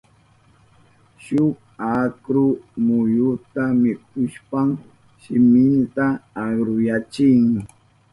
Shuk akru muyuta mikushpan shiminta akruyachin.